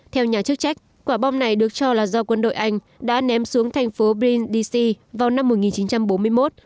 theo nhà chức trách quả bom này được cho là do quân đội anh đã ném xuống thành phố brindisi vào năm một nghìn chín trăm bốn mươi một